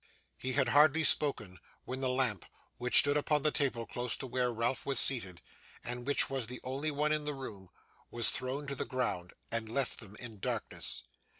He had hardly spoken, when the lamp, which stood upon the table close to where Ralph was seated, and which was the only one in the room, was thrown to the ground, and left them in darkness.